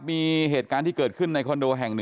มีเหตุการณ์ที่เกิดขึ้นในคอนโดแห่ง๑